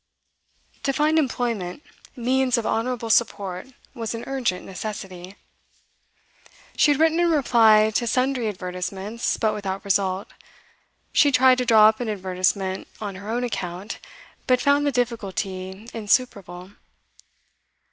To find employment, means of honourable support, was an urgent necessity. She had written in reply to sundry advertisements, but without result. She tried to draw up an advertisement on her own account, but found the difficulty insuperable.